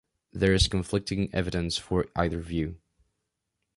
There is conflicting evidence for either view.